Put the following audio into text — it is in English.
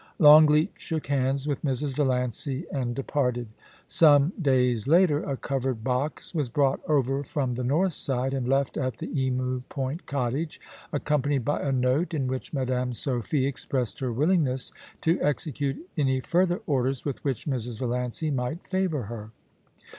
Longleat shook hands with Mrs. Valiancy and departed Some days later, a covered box was brought over from the north side, and left at the Emu Point cottage, accom panied by a note, in which Madame Sophie expressed her willingness to execute any further orders with which Mrs. Valiancy might favour her.